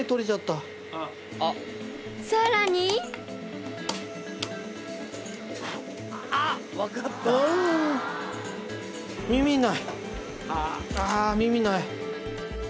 ［さらに］あ。あ耳ない。